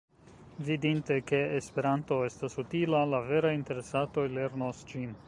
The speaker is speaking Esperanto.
Vidinte, ke Esperanto estas utila, la veraj interesatoj lernos ĝin.